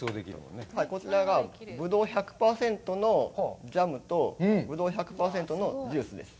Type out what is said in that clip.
こちらがぶどう１００％のジャムと、ぶどう１００％のジュースです。